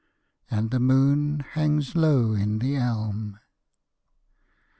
And the moon hangs low in the elm.